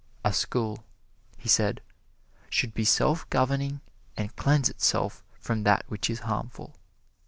"A school," he said, "should be self governing and cleanse itself from that which is harmful."